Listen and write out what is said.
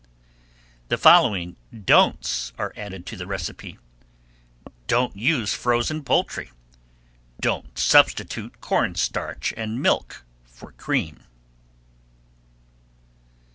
The following "don'ts" are added to the recipe: Don't use frozen poultry. Don't substitute corn starch and milk for cream.